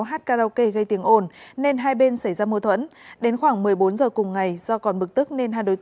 hát karaoke gây tiếng ồn nên hai bên xảy ra mô thuẫn đến khoảng một mươi bốn giờ cùng ngày do còn bực tức nên hai đối tượng